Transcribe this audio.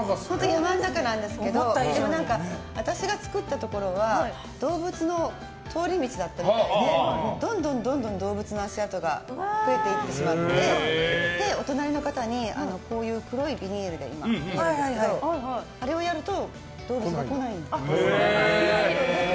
山の中なんですけど私が作ったところは動物の通り道だったみたいでどんどん動物の足跡が増えていってしまってお隣の方に黒いビニールやってるんですけどあれをやると動物が来ないんです。